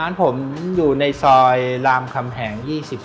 ร้านผมอยู่ในซอยรามคำแหง๒๒